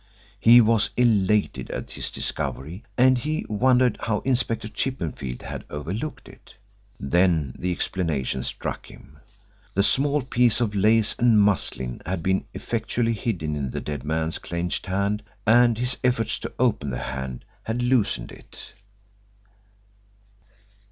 He was elated at his discovery and he wondered how Inspector Chippenfield had overlooked it. Then the explanation struck him. The small piece of lace and muslin had been effectually hidden in the dead man's clenched hand, and his efforts to open the hand had loosened it.